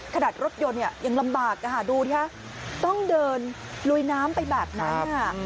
ขนาดรถยนต์เนี่ยยังลำบากดูนะคะต้องเดินลุยน้ำไปแบบนั้น